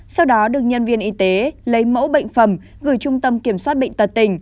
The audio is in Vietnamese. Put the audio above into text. sau đó được nhân viên y tế lấy mẫu bệnh phẩm gửi trung tâm kiểm soát bệnh tật tỉnh